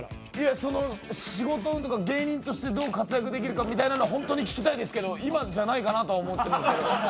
仕事運とか、芸人としてどこまでできるか本当に聞きたいですけど今じゃないかなと思ってますけど。